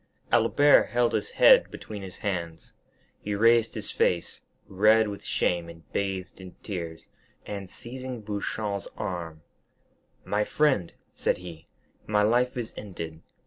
Albert held his head between his hands; he raised his face, red with shame and bathed in tears, and seizing Beauchamp's arm: "My friend," said he, "my life is ended.